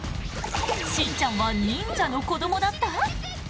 しんちゃんは忍者の子どもだった！？